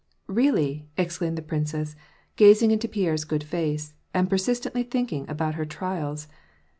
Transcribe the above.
" Really ?" exclaimed the princess, gazing into Pierre's good face, and persistently thinking about her trials.